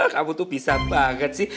kamu tuh bisa banget sih